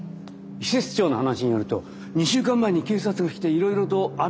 施設長の話によると２週間前に警察が来ていろいろと阿部のこと聞いてったそうだ。